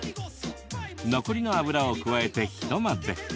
残りの油を加えて一混ぜ。